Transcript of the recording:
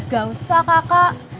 gak usah kakak